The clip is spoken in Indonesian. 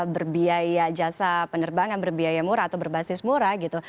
berbiaya jasa penerbangan berbiaya murah atau berbasis murah gitu